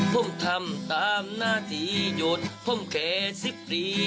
ผมทำตามหน้าทียนต์ผมแค่สิบกรี